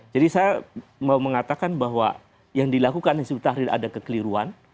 jadi saya mau mengatakan bahwa yang dilakukan di situ tahrir ada kekeliruan